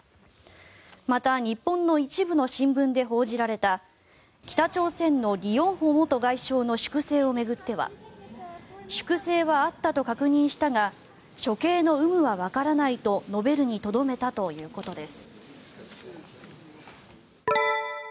また、日本の一部の新聞で報じられた北朝鮮のリ・ヨンホ元外相の粛清を巡っては粛清はあったと確認したが処刑の有無はわからないと述べるにとどめたということです。